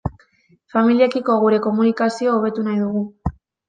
Familiekiko gure komunikazio hobetu nahi dugu.